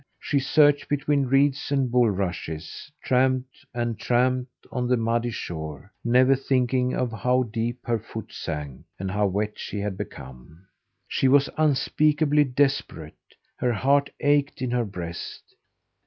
She searched between reeds and bulrushes; tramped and tramped on the muddy shore, never thinking of how deep her foot sank, and how wet she had become. She was unspeakably desperate. Her heart ached in her breast.